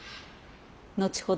後ほど